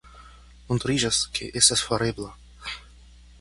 Montriĝas, ke estas farebla.